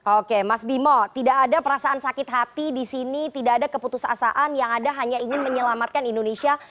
oke mas bimo tidak ada perasaan sakit hati di sini tidak ada keputusasaan yang ada hanya ingin menyelamatkan indonesia